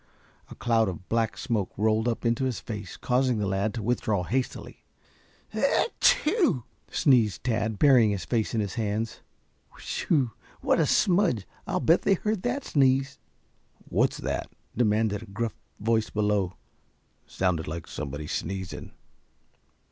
A cloud of black smoke rolled up into his face, causing the lad to withdraw hastily. "Aka c h e w," sneezed Tad, burying his face in his hands. "Whew, what a smudge! I'll bet they heard that sneeze." "What's that?" demanded a gruff voice below. "Sounded like somebody sneezing."